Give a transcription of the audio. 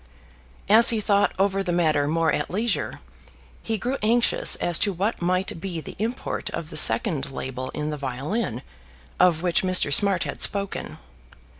As he thought over the matter more at leisure, he grew anxious as to what might be the import of the second label in the violin of which Mr. Smart had spoken.